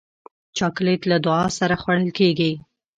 چاکلېټ له دعا سره خوړل کېږي.